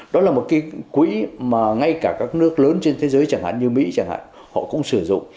đó là một cái quỹ mà ngay cả các nước lớn trên thế giới chẳng hạn như mỹ chẳng hạn họ cũng sử dụng